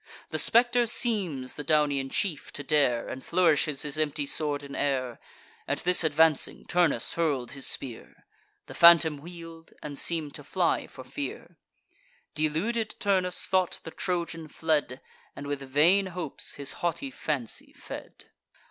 The spectre seems the Daunian chief to dare, And flourishes his empty sword in air. At this, advancing, Turnus hurl'd his spear: The phantom wheel'd, and seem'd to fly for fear. Deluded Turnus thought the Trojan fled, And with vain hopes his haughty fancy fed.